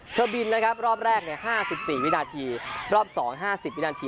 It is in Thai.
ถ้าบินนะครับรอบแรกเนี่ยห้าสิบสี่วินาทีรอบสองห้าสิบวินาที